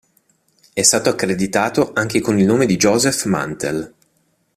È stato accreditato anche con il nome Joseph Mantell.